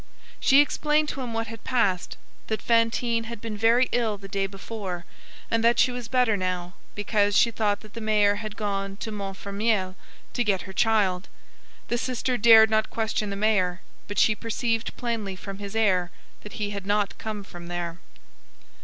She explained to him what had passed: that Fantine had been very ill the day before, and that she was better now, because she thought that the mayor had gone to Montfermeil to get her child. The sister dared not question the mayor; but she perceived plainly from his air that he had not come from there.